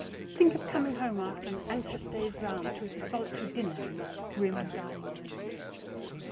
Think of coming home after an anxious day's round to eat a solitary dinner in that grim dining room!